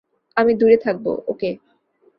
আমি দূরে থাকব, ওকে?